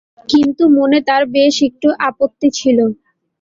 কিন্তু মনে তার বেশ একটু আপত্তি ছিল।